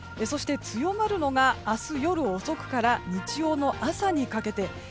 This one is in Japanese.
そして、強まるのが明日夜遅くから日曜の朝にかけて。